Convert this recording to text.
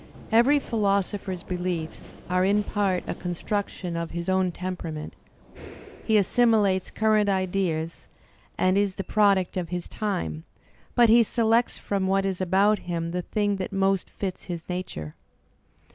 Every philosopher's beliefs are in part a construction of his Digitized by Google EMERSON 58 own temperament; he assimilates current ideas and is the product of his time, but he selects from what is about him the thing that most fits his nature.